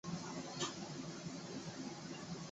蓝刺鹤虱为紫草科鹤虱属的植物。